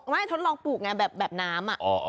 ไม่ทดลองปลูกไงแบบน้ำ